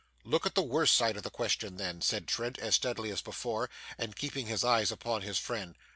'Look at the worst side of the question then,' said Trent as steadily as before, and keeping his eyes upon his friend.